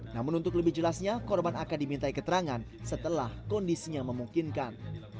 namun untuk lebih jelasnya korban akan dimintai keterangan setelah kondisinya memungkinkan